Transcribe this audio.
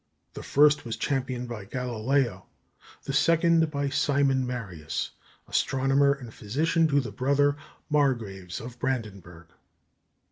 The first was championed by Galileo, the second by Simon Marius, "astronomer and physician" to the brother Margraves of Brandenburg.